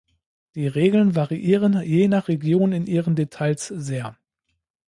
Die Regeln variieren je nach Region in ihren Details sehr.